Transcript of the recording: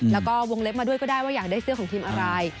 แล้วก็วงเล็บมาด้วยก็ได้ว่าอยากได้เสื้อของทีมอะไร